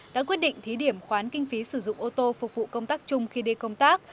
đã quyết định thí điểm khoán kinh phí sử dụng ô tô phục vụ công tác chung khi đi công tác